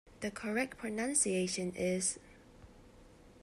The correct pronunciation is.